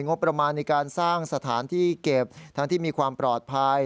งบประมาณในการสร้างสถานที่เก็บทั้งที่มีความปลอดภัย